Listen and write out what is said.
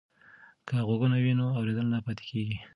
که غوږونه وي نو اوریدل نه پاتیږي.